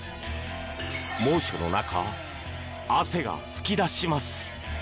猛暑の中、汗が噴き出します。